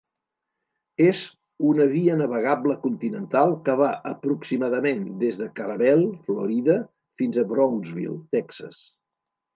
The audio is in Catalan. És una via navegable continental que va aproximadament des de Carrabelle (Florida) fins a Brownsville (Texas).